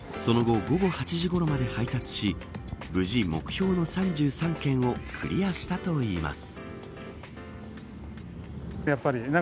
その後、午後８時ごろまで配達し無事、目標の３３件をクリアしたといいます。